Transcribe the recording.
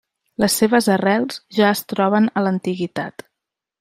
Les seves arrels ja es troben a l'antiguitat.